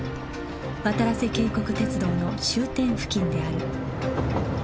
わたらせ渓谷鉄道の終点付近である